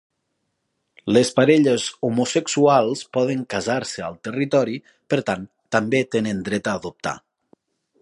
Les parelles homosexuals poden casar-se al territori, per tant, també tenen dret a adoptar.